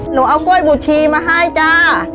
หนูเอากล้วยบุชีมาให้จ้า